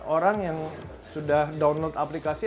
orang yang sudah download aplikasi